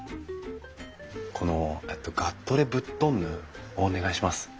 この「ガットレブットンヌ」をお願いします。